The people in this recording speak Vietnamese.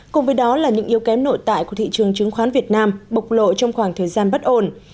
cùng với đó là những yếu kém nội tại của thị trường chứng khoán việt nam bộc lộ trong khoảng thời gian bất ổn